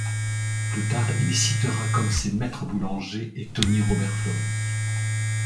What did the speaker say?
Plus tard, il citera comme ses maîtres Boulanger et Tony Robert-Fleury.